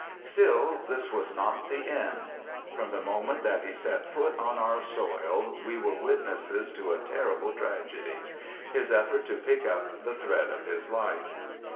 Still this was not the end. From the moment that he set foot on our soil we were witnesses to a terrible tragedy: his effort to pick up the thread of his life.